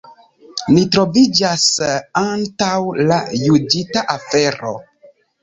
Ni troviĝas antaŭ la juĝita afero.